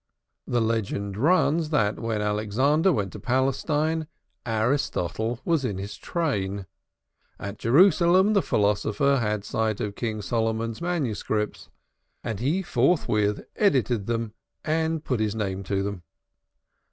The legend runs that when Alexander went to Palestine, Aristotle was in his train. At Jerusalem the philosopher had sight of King Solomon's manuscripts, and he forthwith edited them and put his name to them.